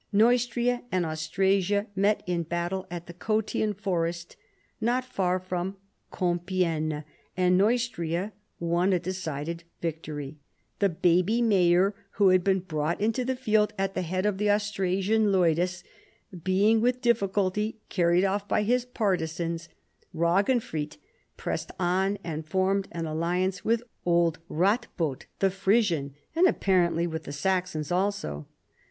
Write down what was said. Neustria and Austrasia met in battle at the Cotian Forest, not far from Compicgne, and Nuestria won a decided victory, the baby mayor, who had been brought into the field at the head of the Austrasian leudes, being with difficulty carried off by his partisans. Eaginfrid pressed on and formed an alliance with old Ratbod, the Frisian, and apparently with the Saxons also.